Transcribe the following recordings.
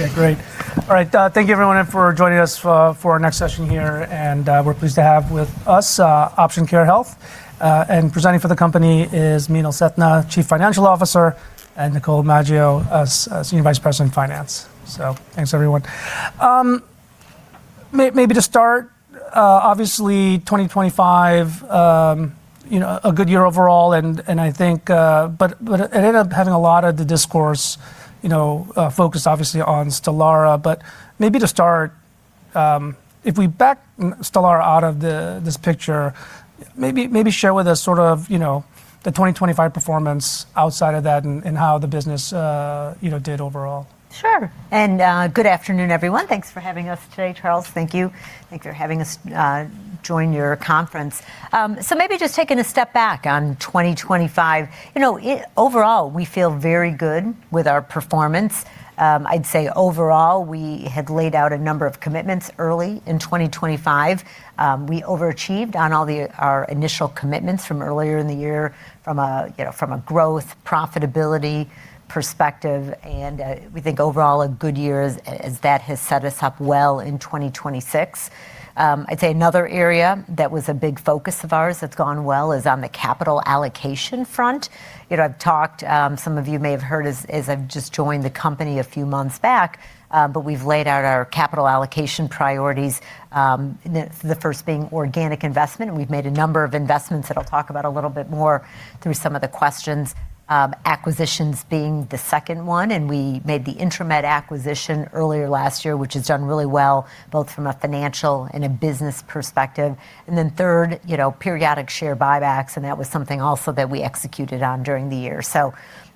Okay, great. All right, thank you everyone for joining us for our next session here. We're pleased to have with us Option Care Health. Presenting for the company is Meenal Sethna, Chief Financial Officer, and Nicole Maggio, Senior Vice President, Finance. Thanks everyone. Maybe to start, obviously 2025, you know, a good year overall and I think... It ended up having a lot of the discourse, you know, focused obviously on STELARA. Maybe to start, if we back STELARA out of this picture, maybe share with us sort of, you know, the 2025 performance outside of that and how the business, you know, did overall. Sure. Good afternoon, everyone. Thanks for having us today, Charles. Thank you. Thank you for having us join your conference. Maybe just taking a step back on 2025. You know, overall, we feel very good with our performance. I'd say overall, we had laid out a number of commitments early in 2025. We overachieved on all our initial commitments from earlier in the year from a, you know, from a growth, profitability perspective. We think overall a good year as that has set us up well in 2026. I'd say another area that was a big focus of ours that's gone well is on the capital allocation front. You know, I've talked, some of you may have heard as I've just joined the company a few months back, but we've laid out our capital allocation priorities, the first being organic investment. We've made a number of investments that I'll talk about a little bit more through some of the questions. Acquisitions being the second one, and we made the Intramed acquisition earlier last year, which has done really well, both from a financial and a business perspective. Then third, you know, periodic share buybacks, and that was something also that we executed on during the year.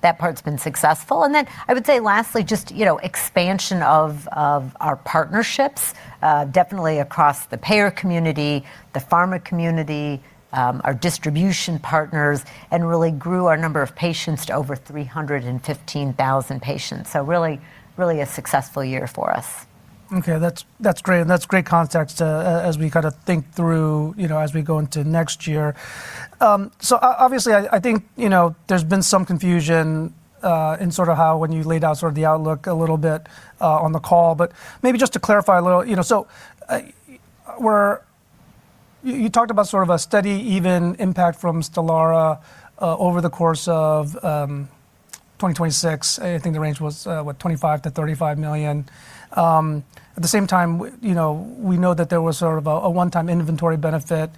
That part's been successful. I would say lastly, just, you know, expansion of our partnerships, definitely across the payer community, the pharma community, our distribution partners, and really grew our number of patients to over 315,000 patients. Really, really a successful year for us. Okay. That's great, and that's great context, as we kinda think through, you know, as we go into next year. Obviously, I think, you know, there's been some confusion in sort of how when you laid out sort of the outlook a little bit on the call. Maybe just to clarify a little, you know, so where... You talked about sort of a steady even impact from STELARA over the course of 2026. I think the range was, what, $25 million-$35 million. At the same time, you know, we know that there was sort of a one-time inventory benefit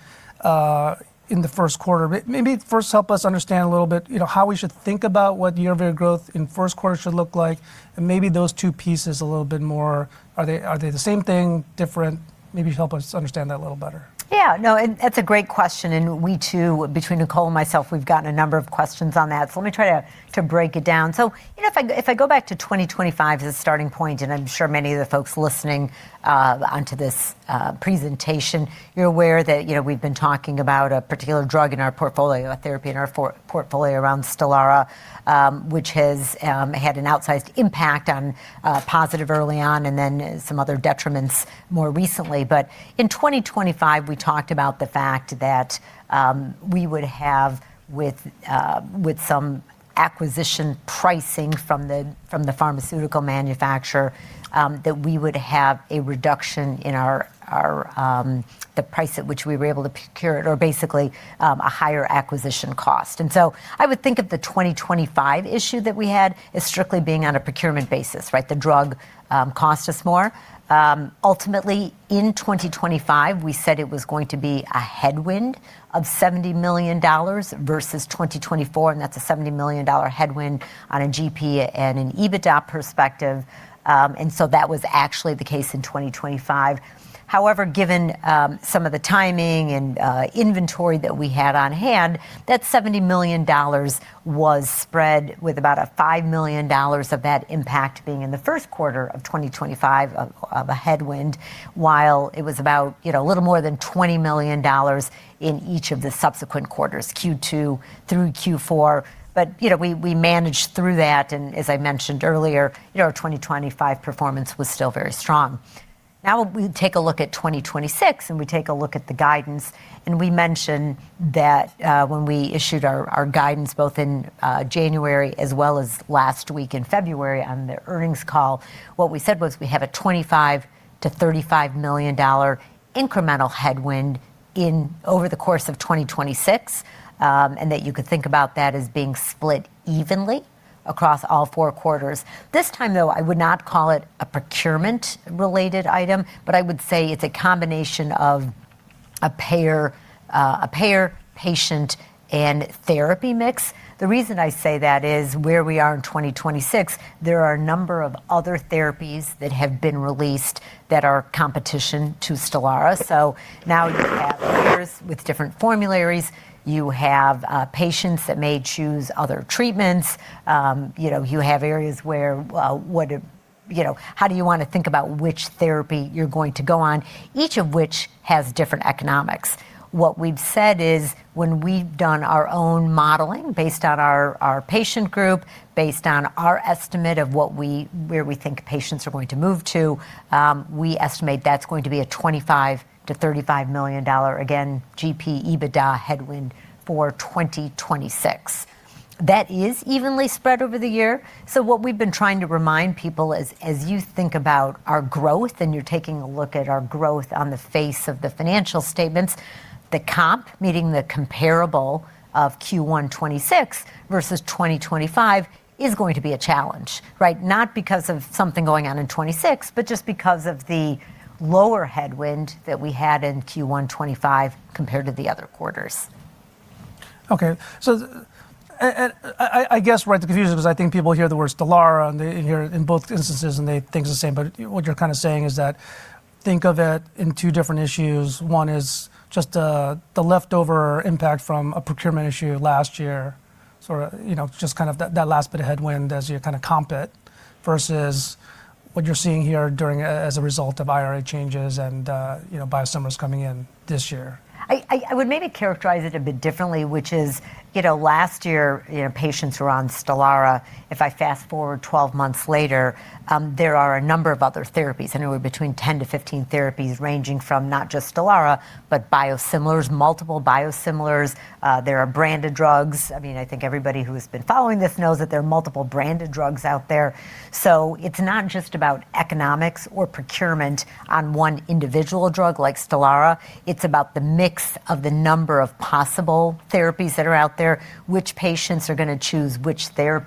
in the first quarter. Maybe first help us understand a little bit, you know, how we should think about what the year-over-year growth in first quarter should look like, and maybe those two pieces a little bit more. Are they the same thing? Different? Maybe help us understand that a little better. Yeah. No, and that's a great question. We too, between Nicole and myself, we've gotten a number of questions on that. Let me try to break it down. You know, if I go back to 2025 as a starting point, I'm sure many of the folks listening onto this presentation, you're aware that, you know, we've been talking about a particular drug in our portfolio, a therapy in our portfolio around STELARA, which has had an outsized impact on positive early on and then some other detriments more recently. In 2025, we talked about the fact that we would have with some acquisition pricing from the pharmaceutical manufacturer, that we would have a reduction in our, the price at which we were able to procure it or basically, a higher acquisition cost. I would think of the 2025 issue that we had as strictly being on a procurement basis, right? The drug cost us more. Ultimately in 2025, we said it was going to be a headwind of $70 million versus 2024, and that's a $70 million headwind on a GP and an EBITDA perspective. That was actually the case in 2025. Given some of the timing and inventory that we had on hand, that $70 million was spread with about a $5 million of that impact being in the first quarter of 2025 of a headwind, while it was about, you know, a little more than $20 million in each of the subsequent quarters, Q2 through Q4. You know, we managed through that, and as I mentioned earlier, you know, our 2025 performance was still very strong. We take a look at 2026, we take a look at the guidance, we mention that when we issued our guidance both in January as well as last week in February on the earnings call, what we said was we have a $25 million-$35 million incremental headwind over the course of 2026, and that you could think about that as being split evenly across all 4 quarters. This time, though, I would not call it a procurement-related item, but I would say it's a combination of a payer, patient, and therapy mix. The reason I say that is where we are in 2026, there are a number of other therapies that have been released that are competition to STELARA. Now you have payers with different formularies. You have patients that may choose other treatments. You know, you have areas where, you know, how do you wanna think about which therapy you're going to go on, each of which has different economics. What we've said is when we've done our own modeling based on our patient group, based on our estimate of where we think patients are going to move to, we estimate that's going to be a $25 million-$35 million, again, GP EBITDA headwind for 2026. That is evenly spread over the year. What we've been trying to remind people is as you think about our growth, and you're taking a look at our growth on the face of the financial statements, the comp, meaning the comparable of Q1 2026 versus 2025 is going to be a challenge, right? Not because of something going on in 2026, but just because of the lower headwind that we had in Q1 2025 compared to the other quarters. Okay. I guess where the confusion is, I think people hear the word STELARA and they hear it in both instances, and they think it's the same. What you're kinda saying is that think of it in two different issues. One is just the leftover impact from a procurement issue last year, sort of, you know, just kind of that last bit of headwind as you kinda comp it, versus what you're seeing here as a result of IRA changes and, you know, biosimilars coming in this year. I would maybe characterize it a bit differently, which is, you know, last year, you know, patients who were on STELARA, if I fast-forward 12 months later, there are a number of other therapies, anywhere between 10-15 therapies ranging from not just STELARA, but biosimilars, multiple biosimilars. There are branded drugs. I mean, I think everybody who has been following this knows that there are multiple branded drugs out there. It's not just about economics or procurement on 1 individual drug like STELARA, it's about the mix of the number of possible therapies that are out there, which patients are gonna choose which therapies.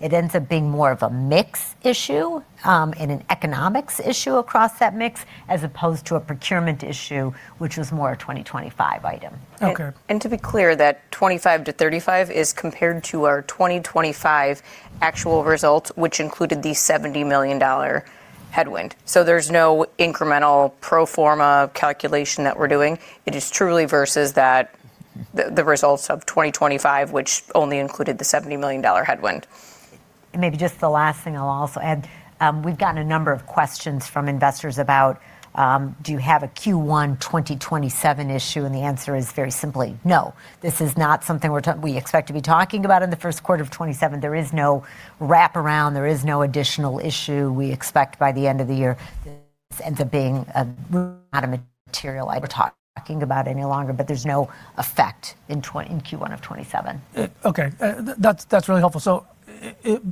It ends up being more of a mix issue, and an economics issue across that mix, as opposed to a procurement issue, which was more a 2025 item. Okay. To be clear, that 25-35 is compared to our 2025 actual results, which included the $70 million headwind. There's no incremental pro forma calculation that we're doing. It is truly versus that the results of 2025, which only included the $70 million headwind. Maybe just the last thing I'll also add. We've gotten a number of questions from investors about, do you have a Q1 2027 issue? The answer is very simply no. This is not something we expect to be talking about in the first quarter of 2027. There is no wraparound, there is no additional issue we expect by the end of the year. This ends up being out of material I'd talk about any longer, but there's no effect in Q1 of 2027. Okay. That's really helpful.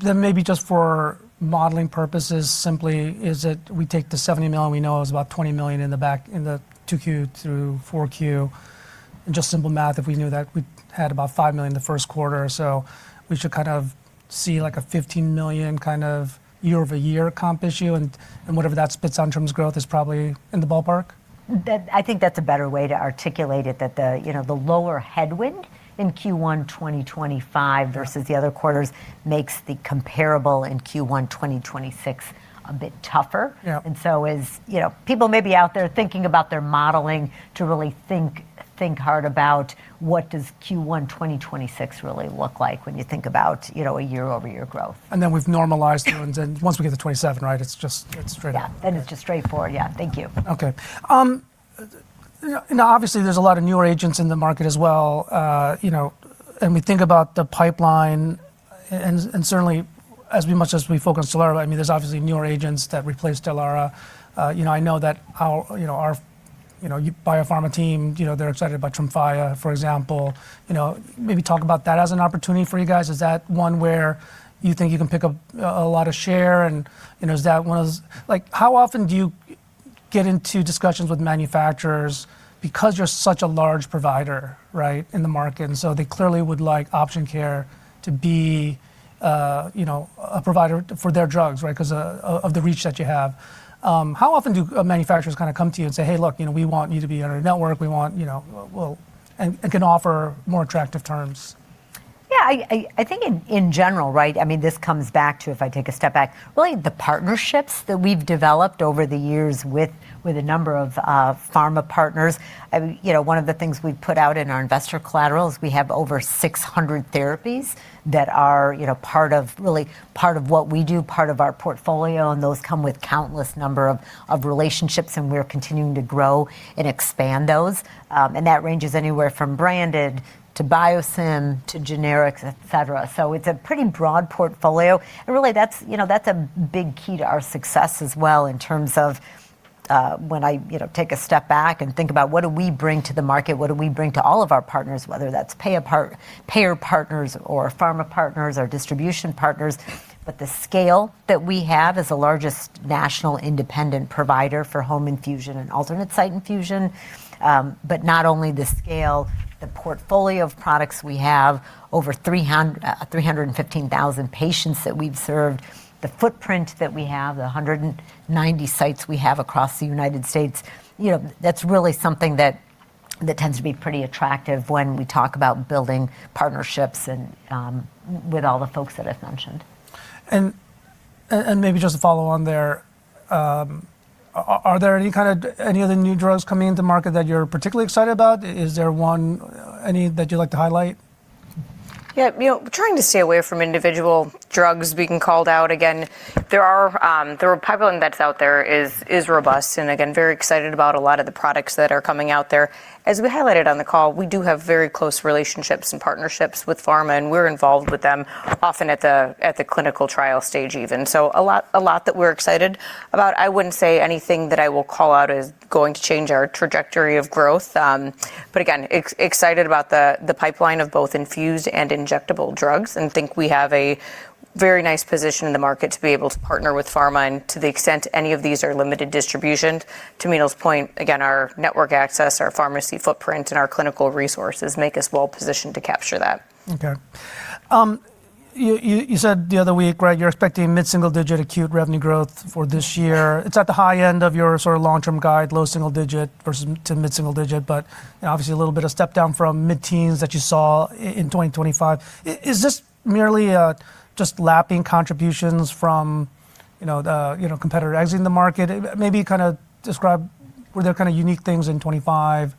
Maybe just for modeling purposes, simply is it we take the $70 million we know is about $20 million in the back, in the 2Q through 4Q. Just simple math, if we knew that we had about $5 million in the first quarter, we should kind of see like a $15 million kind of year-over-year comp issue and whatever that spits out in terms of growth is probably in the ballpark. I think that's a better way to articulate it, that the, you know, the lower headwind in Q1 2025 versus the other quarters makes the comparable in Q1 2026 a bit tougher. Yeah. As, you know, people may be out there thinking about their modeling to really think hard about what does Q1 2026 really look like when you think about, you know, a year-over-year growth. Then we've normalized and then once we get to 2027, right, it's just, it's straightforward. Yeah. It's just straightforward. Yeah. Thank you. Okay. Now obviously there's a lot of newer agents in the market as well, you know, and we think about the pipeline and certainly as much as we focus on STELARA, I mean, there's obviously newer agents that replace STELARA. You know, I know that our, you know, our, you know, biopharma team, you know, they're excited about TREMFYA, for example. You know, maybe talk about that as an opportunity for you guys. Is that one where you think you can pick up a lot of share and, you know, is that one of those... Like, how often do you get into discussions with manufacturers because you're such a large provider, right, in the market, and so they clearly would like Option Care to be, you know, a provider for their drugs, right? 'Cause of the reach that you have. How often do manufacturers kinda come to you and say, "Hey, look, you know, we want you to be in our network. We want, you know, and can offer more attractive terms? Yeah. I think in general, right? I mean, this comes back to, if I take a step back, really the partnerships that we've developed over the years with a number of pharma partners. You know, one of the things we put out in our investor collateral is we have over 600 therapies that are, you know, part of really, part of what we do, part of our portfolio, and those come with countless number of relationships, and we're continuing to grow and expand those. That ranges anywhere from branded to biosim, to generics, et cetera. It's a pretty broad portfolio. Really, that's, you know, that's a big key to our success as well in terms of, when I, you know, take a step back and think about what do we bring to the market, what do we bring to all of our partners, whether that's payer partners or pharma partners or distribution partners. The scale that we have as the largest national independent provider for home infusion and alternate site infusion, but not only the scale, the portfolio of products we have, over 315,000 patients that we've served, the footprint that we have, the 190 sites we have across the United States, you know, that's really something that tends to be pretty attractive when we talk about building partnerships and, with all the folks that I've mentioned. Maybe just to follow on there, are there any other new drugs coming into market that you're particularly excited about? Is there one, any that you'd like to highlight? Yeah, you know, trying to stay away from individual drugs being called out. Again, there are, the pipeline that's out there is robust, and again, very excited about a lot of the products that are coming out there. As we highlighted on the call, we do have very close relationships and partnerships with pharma, and we're involved with them often at the clinical trial stage even. A lot that we're excited about. I wouldn't say anything that I will call out is going to change our trajectory of growth. Again, excited about the pipeline of both infused and injectable drugs and think we have a very nice position in the market to be able to partner with pharma and to the extent any of these are limited distribution. To Mina's point, again, our network access, our pharmacy footprint, and our clinical resources make us well-positioned to capture that. Okay. You said the other week, right, you're expecting mid-single digit % acute revenue growth for this year. It's at the high end of your sort of long-term guide, low single digit % versus to mid-single digit %, but obviously a little bit of step down from mid-teens % that you saw in 2025. Is this merely just lapping contributions from, you know, the, you know, competitor exiting the market? Maybe kinda describe were there kinda unique things in 2025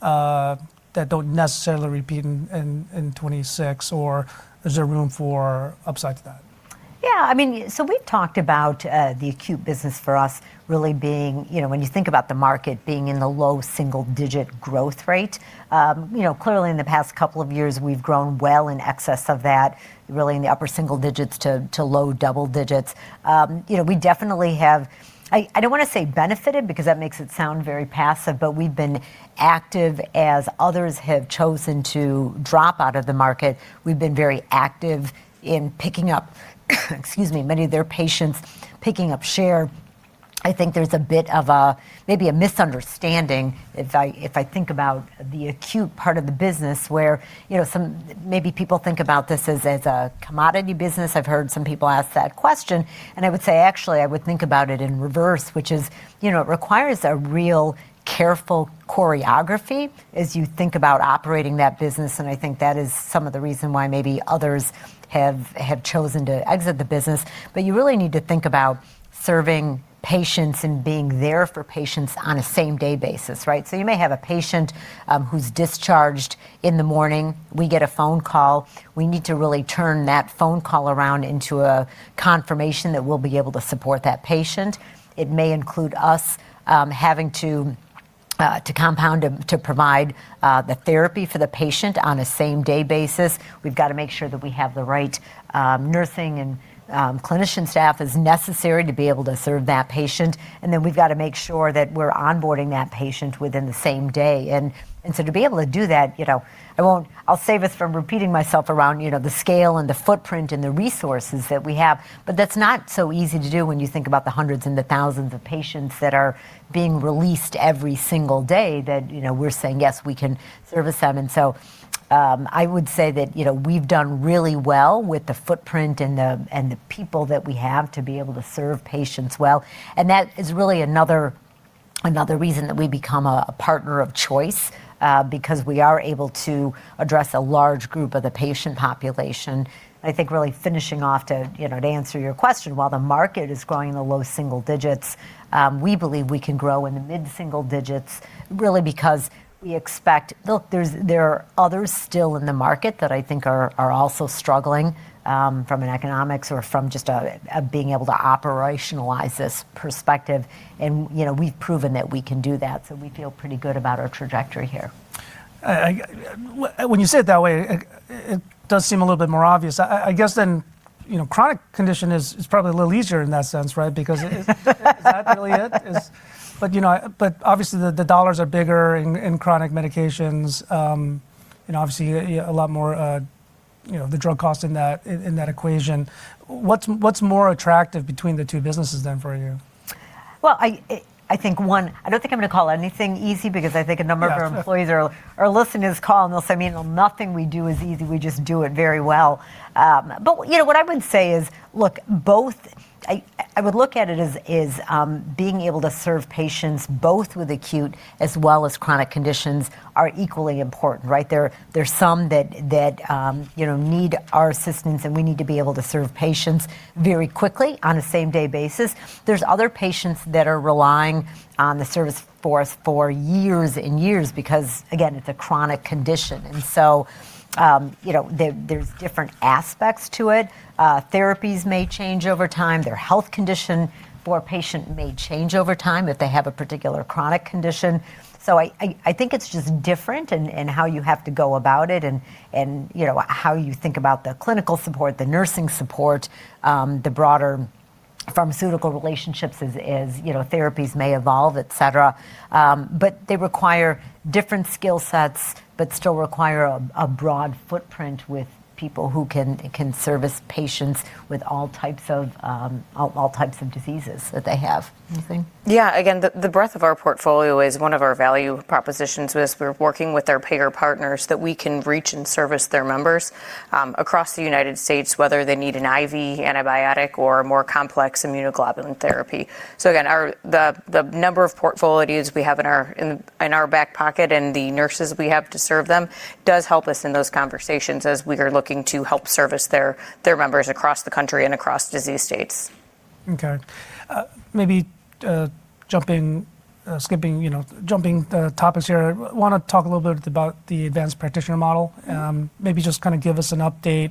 that don't necessarily repeat in 2026, or is there room for upside to that? I mean, we've talked about the acute business for us really being, you know, when you think about the market being in the low single digit growth rate, you know, clearly in the past couple of years, we've grown well in excess of that, really in the upper single digits to low double digits. You know, we definitely have... I don't wanna say benefited because that makes it sound very passive, but we've been active as others have chosen to drop out of the market. We've been very active in picking up, excuse me, many of their patients, picking up share. I think there's a bit of a maybe a misunderstanding if I think about the acute part of the business where, you know, some maybe people think about this as a commodity business. I've heard some people ask that question. Actually, I would think about it in reverse, which is, you know, it requires a real careful choreography as you think about operating that business, and I think that is some of the reason why maybe others have chosen to exit the business. You really need to think about serving patients and being there for patients on a same-day basis, right? You may have a patient who's discharged in the morning. We get a phone call. We need to really turn that phone call around into a confirmation that we'll be able to support that patient. It may include us having to compound to provide the therapy for the patient on a same-day basis. We've got to make sure that we have the right, nursing and clinician staff as necessary to be able to serve that patient, and then we've got to make sure that we're onboarding that patient within the same day. To be able to do that, you know, I'll save us from repeating myself around, you know, the scale and the footprint and the resources that we have. That's not so easy to do when you think about the hundreds and thousands of patients that are being released every single day that, you know, we're saying, "Yes, we can service them." I would say that, you know, we've done really well with the footprint and the people that we have to be able to serve patients well. That is really another reason that we become a partner of choice because we are able to address a large group of the patient population. I think really finishing off to, you know, to answer your question, while the market is growing in the low single digits, we believe we can grow in the mid-single digits really because we expect. Look, there are others still in the market that I think are also struggling from an economics or from just being able to operationalize this perspective and, you know, we've proven that we can do that, so we feel pretty good about our trajectory here. When you say it that way, it does seem a little bit more obvious. I guess then, you know, chronic condition is probably a little easier in that sense, right? Because is that really it? You know, obviously the dollars are bigger in chronic medications, and obviously a lot more, you know, the drug cost in that equation. What's more attractive between the two businesses then for you? Well, I think, one, I don't think I'm gonna call anything easy because I think a number... Yeah. of our employees are listening to this call, and they'll say, "Mina, nothing we do is easy. We just do it very well." you know, what I would say is, look, I would look at it as being able to serve patients both with acute as well as chronic conditions are equally important, right? There are some that, you know, need our assistance, and we need to be able to serve patients very quickly on a same-day basis. There's other patients that are relying on the service us for years and years because, again, it's a chronic condition. you know, there's different aspects to it. Therapies may change over time. Their health condition for a patient may change over time if they have a particular chronic condition. I think it's just different in how you have to go about it and, you know, how you think about the clinical support, the nursing support, the broader pharmaceutical relationships as, you know, therapies may evolve, et cetera. But they require different skill sets but still require a broad footprint with people who can service patients with all types of diseases that they have. Anything? Yeah. Again, the breadth of our portfolio is one of our value propositions we're working with our payer partners that we can reach and service their members across the United States, whether they need an IV antibiotic or a more complex immunoglobulin therapy. Again, our the number of portfolios we have in our back pocket and the nurses we have to serve them does help us in those conversations as we are looking to help service their members across the country and across disease states. Okay. Maybe skipping, you know, jumping the topics here. I wanna talk a little bit about the advanced practitioner model. Maybe just kinda give us an update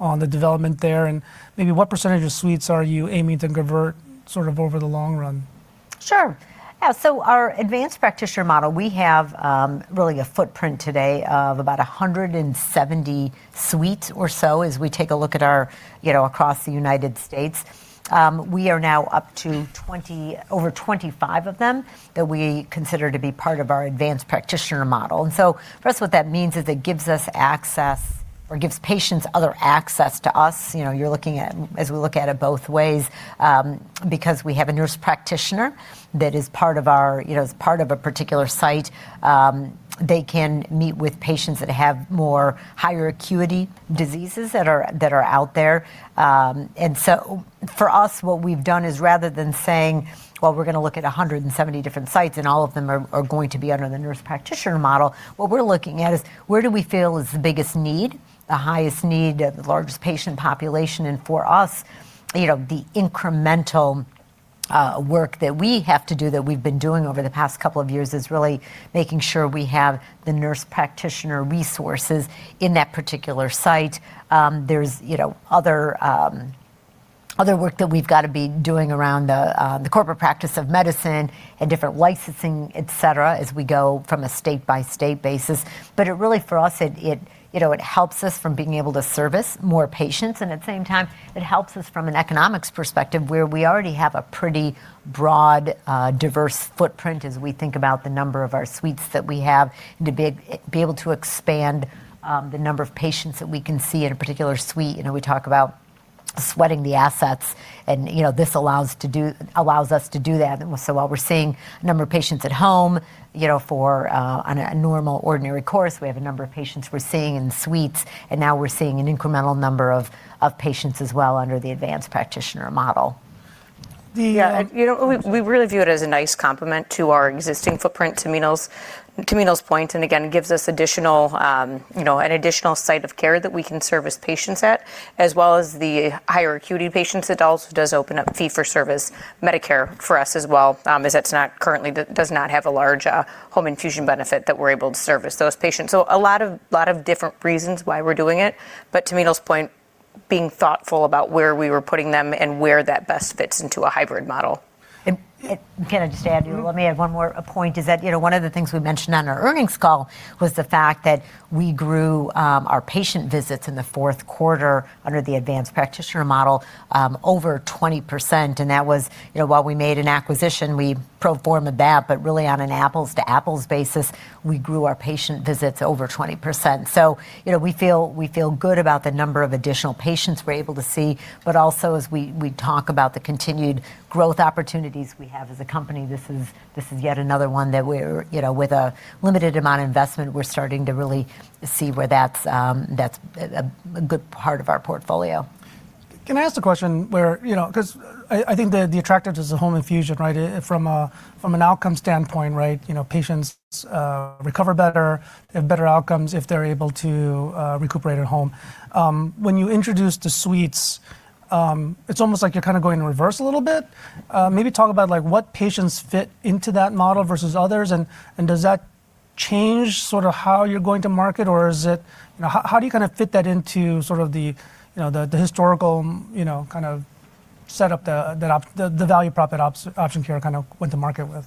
on the development there, and maybe what percentage of suites are you aiming to convert sort of over the long run? Sure. Yeah, our advanced practitioner model, we have really a footprint today of about 170 suites or so as we take a look at our, you know, across the United States. We are now up to over 25 of them that we consider to be part of our advanced practitioner model. First what that means is it gives us access or gives patients other access to us. You know, you're looking at as we look at it both ways, because we have a nurse practitioner that is part of our, you know, is part of a particular site, they can meet with patients that have more higher acuity diseases that are out there. For us, what we've done is, rather than saying, well, we're gonna look at 170 different sites, and all of them are going to be under the nurse practitioner model, what we're looking at is where do we feel is the biggest need, the highest need, the largest patient population. For us, you know, the incremental work that we have to do that we've been doing over the past couple of years is really making sure we have the nurse practitioner resources in that particular site. There's, you know, other work that we've gotta be doing around the corporate practice of medicine and different licensing, et cetera, as we go from a state-by-state basis. It really for us, it, you know, it helps us from being able to service more patients, and at the same time it helps us from an economics perspective where we already have a pretty broad, diverse footprint as we think about the number of our suites that we have and to be able to expand, the number of patients that we can see at a particular suite. You know, we talk about sweating the assets and, you know, this allows us to do that. While we're seeing a number of patients at home, you know, for, on a normal ordinary course, we have a number of patients we're seeing in suites, and now we're seeing an incremental number of patients as well under the advanced practitioner model. The, uh- You know, we really view it as a nice complement to our existing footprint, to Minal's point, and again, gives us additional, you know, an additional site of care that we can service patients at, as well as the higher acuity patients. It also does open up fee-for-service Medicare for us as well, as it's not currently does not have a large home infusion benefit that we're able to service those patients. A lot of different reasons why we're doing it, but to Minal's point, being thoughtful about where we were putting them and where that best fits into a hybrid model. If I can just add, let me add one more point, is that, you know, one of the things we mentioned on our earnings call was the fact that we grew our patient visits in the fourth quarter under the advanced practitioner model over 20%. That was, you know, while we made an acquisition, we pro forma that, but really on an apples to apples basis, we grew our patient visits over 20%. You know, we feel good about the number of additional patients we're able to see, but also as we talk about the continued growth opportunities we have as a company, this is yet another one that we're, you know, with a limited amount of investment, we're starting to really see where that's a good part of our portfolio. Can I ask a question where, you know, 'cause I think the attractiveness of home infusion, right, from an outcome standpoint, right, you know, patients recover better, they have better outcomes if they're able to recuperate at home? When you introduce the suites, it's almost like you're kinda going in reverse a little bit. Maybe talk about like what patients fit into that model versus others, and does that change sort of how you're going to market, or is it, you know, how do you kinda fit that into sort of the, you know, the historical, you know, kind of set up the value prop at Option Care kind of went to market with?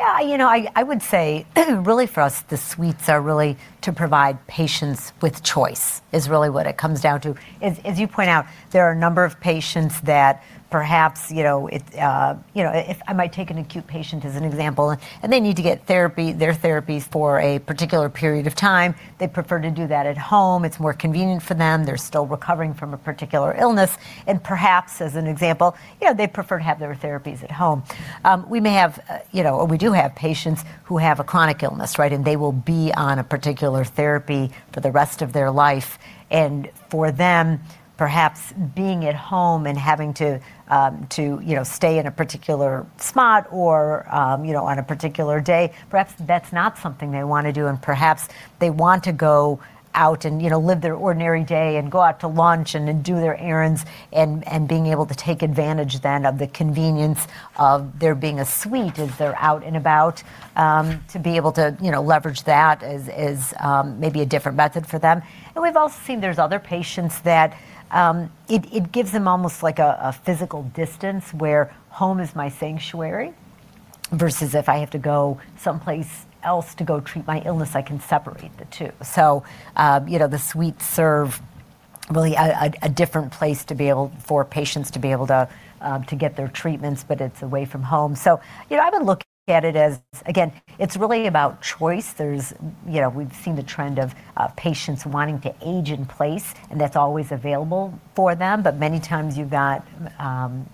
Yeah. You know, I would say really for us, the suites are really to provide patients with choice is really what it comes down to. As you point out, there are a number of patients that perhaps, you know, it, you know, if I might take an acute patient as an example, and they need to get therapy, their therapies for a particular period of time. They prefer to do that at home. It's more convenient for them. They're still recovering from a particular illness. Perhaps, as an example, you know, they prefer to have their therapies at home. We may have, you know, or we do have patients who have a chronic illness, right, and they will be on a particular therapy for the rest of their life. For them, perhaps being at home and having to, you know, stay in a particular spot or, you know, on a particular day, perhaps that's not something they wanna do, and perhaps they want to go out and, you know, live their ordinary day and go out to lunch and then do their errands and, being able to take advantage then of the convenience of there being a suite as they're out and about, to be able to, you know, leverage that is maybe a different method for them. We've also seen there's other patients that, it gives them almost like a physical distance where home is my sanctuary versus if I have to go someplace else to go treat my illness, I can separate the two. You know, the suites serve really a different place for patients to be able to get their treatments, but it's away from home. You know, I would look at it as, again, it's really about choice. There's, you know, we've seen the trend of patients wanting to age in place, and that's always available for them. Many times you've got,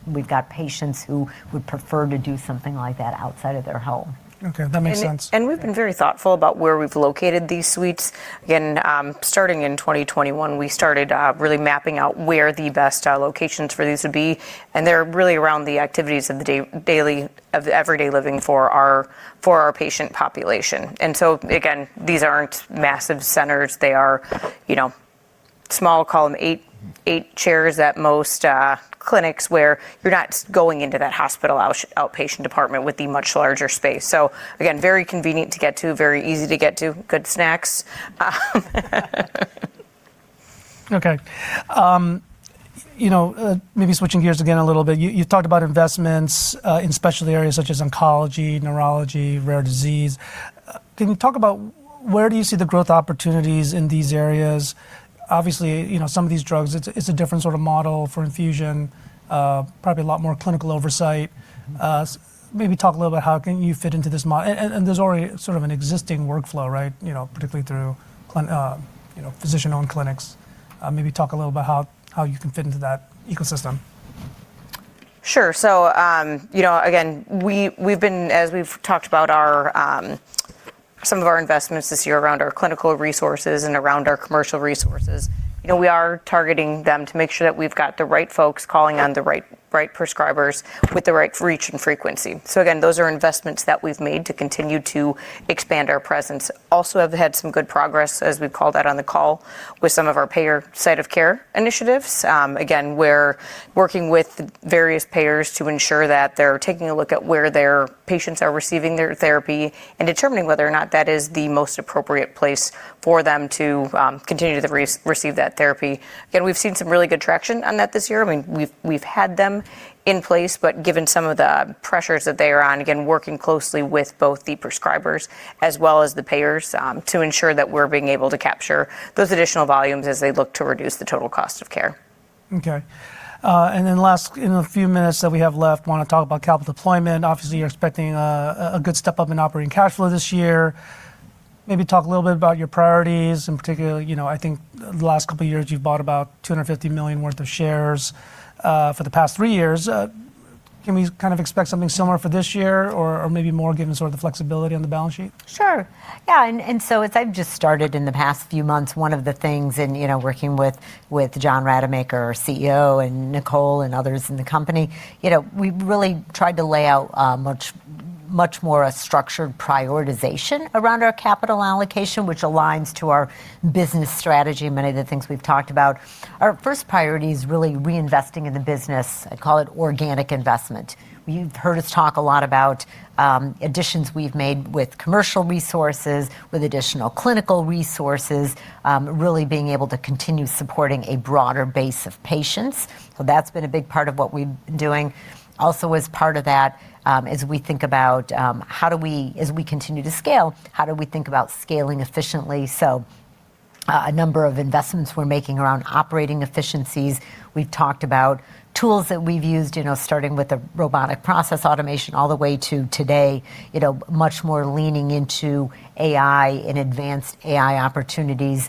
we've got patients who would prefer to do something like that outside of their home. Okay. That makes sense. We've been very thoughtful about where we've located these suites. Again, starting in 2021, we started really mapping out where the best locations for these would be, and they're really around the activities of the daily, everyday living for our, for our patient population. Again, these aren't massive centers. They are, you know, small column, 8 chairs at most clinics where you're not going into that hospital outpatient department with the much larger space. Again, very convenient to get to, very easy to get to. Good snacks. Okay. You know, maybe switching gears again a little bit. You talked about investments in specialty areas such as oncology, neurology, rare disease. Can you talk about where do you see the growth opportunities in these areas? Obviously, you know, some of these drugs, it's a different sort of model for infusion, probably a lot more clinical oversight. Maybe talk a little about how can you fit into this model. There's already sort of an existing workflow, right? You know, particularly through you know, physician-owned clinics. Maybe talk a little about how you can fit into that ecosystem. Sure. You know, again, we've been as we've talked about our, some of our investments this year around our clinical resources and around our commercial resources, you know, we are targeting them to make sure that we've got the right folks calling on the right prescribers with the right reach and frequency. Again, those are investments that we've made to continue to expand our presence. Also have had some good progress, as we've called out on the call, with some of our payer site of care initiatives. Again, we're working with various payers to ensure that they're taking a look at where their patients are receiving their therapy and determining whether or not that is the most appropriate place for them to continue to receive that therapy. Again, we've seen some really good traction on that this year. I mean, we've had them in place, but given some of the pressures that they are on, again, working closely with both the prescribers as well as the payers, to ensure that we're being able to capture those additional volumes as they look to reduce the total cost of care. Then last, in the few minutes that we have left, wanna talk about capital deployment. Obviously, you're expecting a good step up in operating cash flow this year. Maybe talk a little bit about your priorities. In particular, you know, I think the last couple years you've bought about $250 million worth of shares for the past 3 years. Can we kind of expect something similar for this year or maybe more given sort of the flexibility on the balance sheet? Sure. Yeah. As I've just started in the past few months, one of the things and, you know, working with John Rademacher, our CEO, and Nicole and others in the company, you know, we've really tried to lay out a much more structured prioritization around our capital allocation, which aligns to our business strategy and many of the things we've talked about. Our first priority is really reinvesting in the business. I call it organic investment. You've heard us talk a lot about additions we've made with commercial resources, with additional clinical resources, really being able to continue supporting a broader base of patients. That's been a big part of what we've been doing. Also as part of that, is we think about, as we continue to scale, how do we think about scaling efficiently? A number of investments we're making around operating efficiencies. We've talked about tools that we've used, you know, starting with the robotic process automation all the way to today, you know, much more leaning into AI and advanced AI opportunities.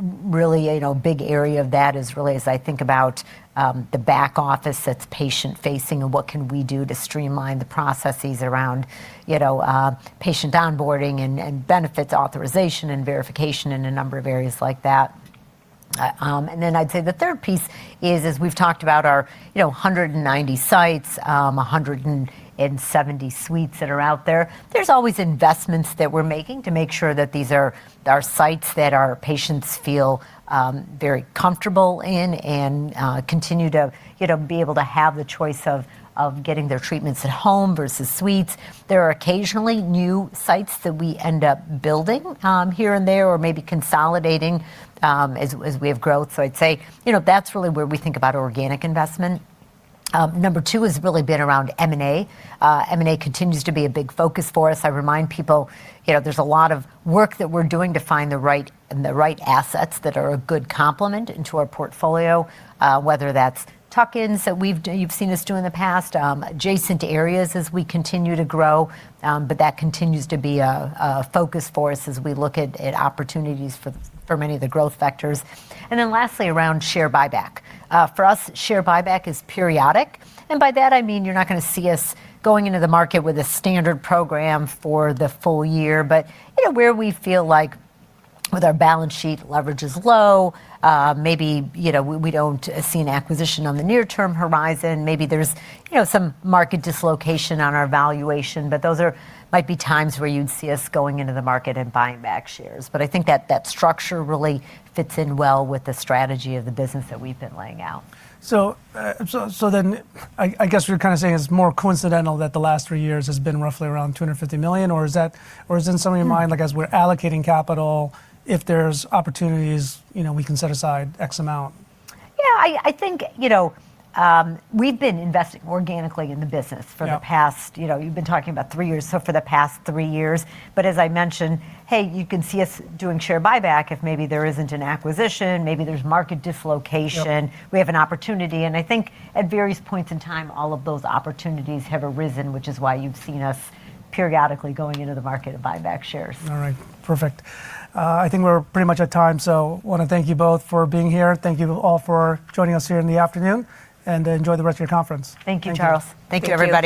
Really, you know, a big area of that is really as I think about the back office that's patient-facing and what can we do to streamline the processes around, you know, patient onboarding and benefits authorization and verification in a number of areas like that. I'd say the third piece is, as we've talked about our, you know, 190 sites, 170 suites that are out there's always investments that we're making to make sure that these are sites that our patients feel very comfortable in and continue to, you know, be able to have the choice of getting their treatments at home versus suites. There are occasionally new sites that we end up building here and there or maybe consolidating as we have growth. I'd say, you know, that's really where we think about organic investment. Number 2 has really been around M&A. M&A continues to be a big focus for us. I remind people, you know, there's a lot of work that we're doing to find the right, and the right assets that are a good complement into our portfolio, whether that's tuck-ins that you've seen us do in the past, adjacent areas as we continue to grow. That continues to be a focus for us as we look at opportunities for many of the growth vectors. Lastly, around share buyback. For us, share buyback is periodic, and by that I mean you're not gonna see us going into the market with a standard program for the full year. You know, where we feel like with our balance sheet, leverage is low, maybe, you know, we don't see an acquisition on the near-term horizon. Maybe there's, you know, some market dislocation on our valuation, but those might be times where you'd see us going into the market and buying back shares. I think that structure really fits in well with the strategy of the business that we've been laying out. I guess you're kinda saying it's more coincidental that the last three years has been roughly around $250 million or is in some of your mind, like, as we're allocating capital, if there's opportunities, you know, we can set aside X amount? Yeah. I think, you know, we've been investing organically in the business. Yeah... for the past, you know, you've been talking about three years, so for the past three years. As I mentioned, hey, you can see us doing share buyback if maybe there isn't an acquisition, maybe there's market dislocation. Yep. We have an opportunity, I think at various points in time, all of those opportunities have arisen, which is why you've seen us periodically going into the market to buy back shares. All right. Perfect. I think we're pretty much at time. Wanna thank you both for being here. Thank you all for joining us here in the afternoon. Enjoy the rest of your conference. Thank you, Charles. Thank you. Thank you, everybody.